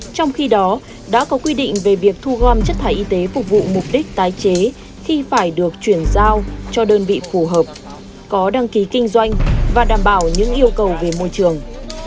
trong khi đó đã có quy định về việc thu gom chất thải y tế phục vụ mục đích tái chế khi phải được chuyển giao cho đơn vị phù hợp có đăng ký kinh doanh và đảm bảo những yêu cầu về môi trường